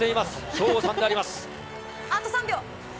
省吾さんであります。